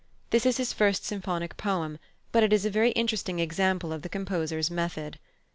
This is his first symphonic poem, but it is a very interesting example of the composer's method.